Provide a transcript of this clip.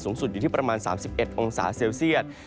สูงสุดอยู่ที่ประมาณ๓๑องศาเซลเซียต